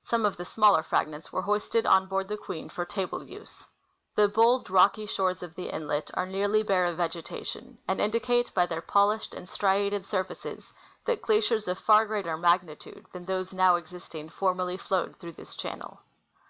Some of the smaller fragments were hoisted on board the Queen for table use. The bold, rocky shores of the inlet are nearly bare of vegetation, and indicate by their polished and striated surfaces that glaciers of far greater magnitude than those now existing formerly flowed through this channel.